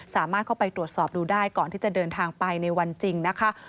สามารถเข้าไปตรวจสอบดูได้ก่อนที่จะเดินทางไปในวันจริงนะคะ